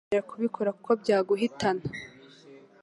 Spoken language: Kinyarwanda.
Nyamuneka ntuzongere kubikora kuko byaguhitana.